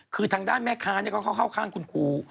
คือทางด้านแม่ค้าเนี่ยเขาเข้าข้างคุณครู